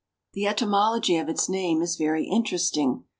The etymology of its name is very interesting.